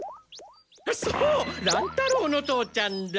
そう乱太郎の父ちゃんだ。